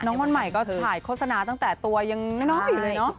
วันใหม่ก็ถ่ายโฆษณาตั้งแต่ตัวยังน้อยอยู่เลยเนอะ